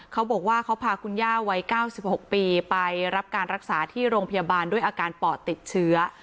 เขาบอกว่าเขาพาคุณย่าวัย๙๖ปีไปรับการรักษาที่โรงพยาบาลด้วยอาการปอดติดเชื้อ